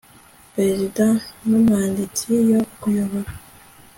perezida n umwanditsi yo kuyobora